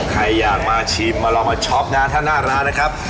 ใครอยากมาชิมมาลองมาช็อปนะฮะถ้าหน้าร้านนะครับ